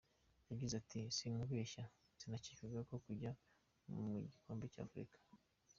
Yagize ati ’’Sinkubeshye sinakekaga ko najya mu gikombe cy’Afurika.